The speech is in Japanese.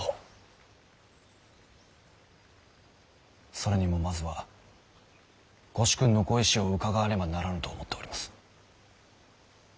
それにもまずはご主君のご意志を伺わねばならぬと思っております。